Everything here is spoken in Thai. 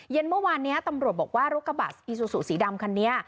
เมื่อวานนี้ตำรวจบอกว่ารถกระบะอีซูซูสีดำคันนี้